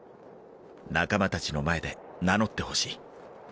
仲間たちの前で名乗ってほしい。